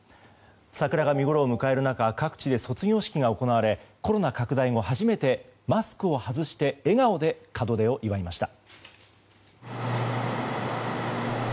桜が見ごろを迎える中各地で卒業式が行われコロナ拡大後初めてマスクを外して笑顔で門出を祝いました。